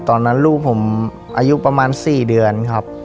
ตอนนั้นลูกผมอายุประมาณ๔เดือนครับ